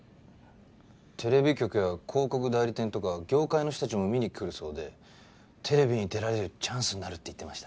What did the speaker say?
テレビ局や広告代理店とか業界の人たちも見に来るそうでテレビに出られるチャンスになるって言ってました。